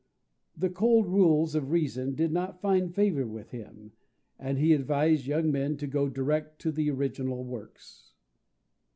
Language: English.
The cold rules of reason did not find favour with him, and he advised young men to go direct to the original works.